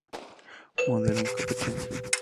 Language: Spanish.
Modelo en competencia.